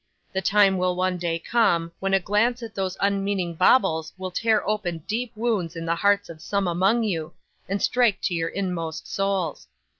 The time will one day come, when a glance at those unmeaning baubles will tear open deep wounds in the hearts of some among you, and strike to your inmost souls.